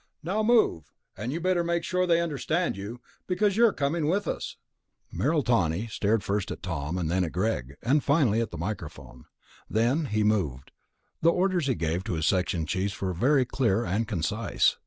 "Now move! And you'd better be sure they understand you, because you're coming with us." Merrill Tawney stared first at Tom, then at Greg, and finally at the microphone. Then he moved. The orders he gave to his section chiefs were very clear and concise.